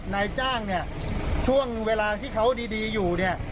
นายจ้างเนี่ยช่วงเวลาที่เขาดีอยู่เนี่ย